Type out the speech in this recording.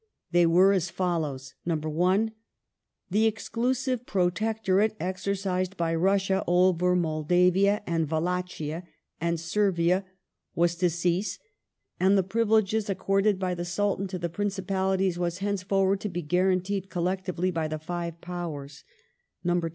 They were as follows: — 1. The exclusive protectorate exercised by Russia over Moldavia, Wallachia, and Servia was to cease, and the privileges accorded by the Sultan to the Principalities was hence forward to be guaranteed collectively by the Five Powers ; 2.